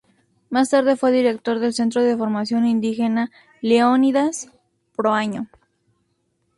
Más tarde fue director del "Centro de formación indígena Leónidas Proaño".